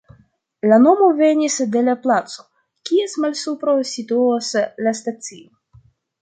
La nomo venis de la placo, kies malsupro situas la stacio.